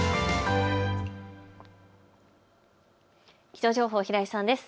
気象情報、平井さんです。